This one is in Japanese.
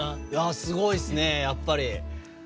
すごいですね、やっぱり。